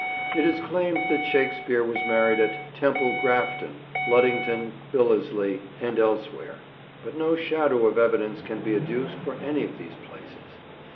It is claimed that Shakespeare was married at Temple Grafton, Luddington, Billesley, and elsewhere, but no shadow of evidence can be adduced for any of these places.